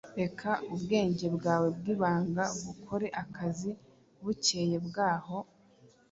reka ubwenge bwawe bwibanga bukore akazi. Bukeye bwaho,